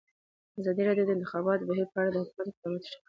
ازادي راډیو د د انتخاباتو بهیر په اړه د حکومت اقدامات تشریح کړي.